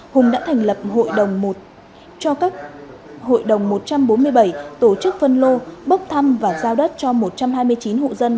hùng đã thành lập hội đồng một trăm bốn mươi bảy tổ chức phân lô bốc thăm và giao đất cho một trăm hai mươi chín hộ dân